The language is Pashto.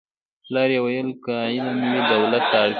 پلار یې ویل که علم وي دولت ته اړتیا نشته